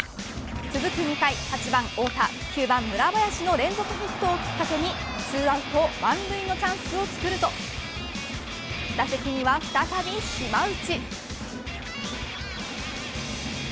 続く２回、８番・太田９番・村林の連続ヒットをきっかけに２アウト満塁のチャンスをつくると打席には再び島内。